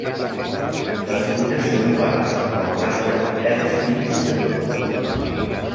Les fulles són ovades, amb el marge amb pèls fins i sedosos.